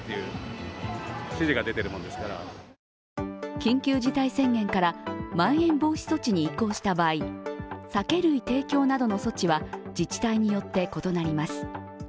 緊急事態宣言からまん延防止措置に移行した場合酒類提供などの措置は自治体によって異なります。